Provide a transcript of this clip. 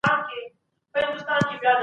پښتنو ترمنځ سخت غبرګون راوپاراوه؛ ځکه دا